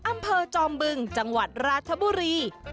อำเภอจอมบึงจังหวัดราชบุรี